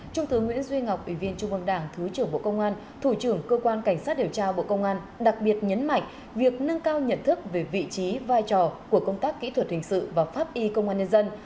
trung tướng nguyễn duy ngọc ủy viên trung băng đảng thứ trưởng bộ công an thủ trưởng cơ quan cảnh sát điều tra bộ công an đặc biệt nhấn mạnh việc nâng cao nhận thức về vị trí vai trò của công tác kỹ thuật hình sự và pháp y công an nhân dân